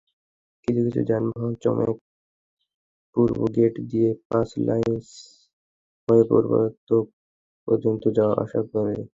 কিছু কিছু যানবাহন চমেক পূর্বগেট দিয়ে পাঁচলাইশ হয়ে প্রবর্তক পর্যন্ত যাওয়া-আসা করে।